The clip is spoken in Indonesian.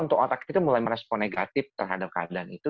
untuk otak kita mulai merespon negatif terhadap keadaan itu